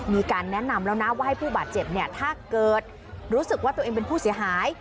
มีการแนะนำแล้วนะว่าให้ผู้บาดเจ็บเนี่ยถ้าเกิดรู้สึกว่าตัวเองเป็นผู้เสียหาย